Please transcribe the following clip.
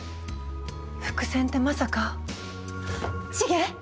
伏線ってまさかチゲ？